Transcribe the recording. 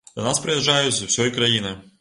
Да нас прыязджаюць з усёй краіны.